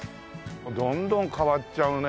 どんどん変わっちゃうね。